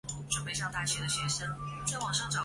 中国国民党革命委员会成员。